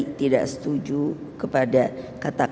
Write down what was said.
berarti tidak setuju kepada kata kata didalamnya